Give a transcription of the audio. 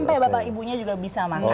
sampai bapak ibunya juga bisa makan